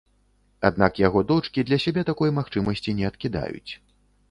Аднак яго дочкі для сябе такой магчымасці не адкідаюць.